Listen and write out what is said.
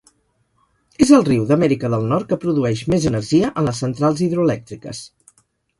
És el riu d'Amèrica del Nord que produeix més energia en les centrals hidroelèctriques.